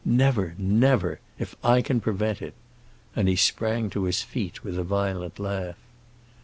Never, never, if I can prevent it!" And he sprang to his feet with a violent laugh.